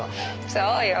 そうよ。